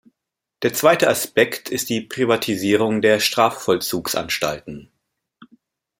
Der zweite Aspekt ist die Privatisierung der Strafvollzugsanstalten.